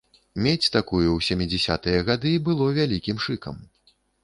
Мець такую ў сямідзясятыя гады было вялікім шыкам.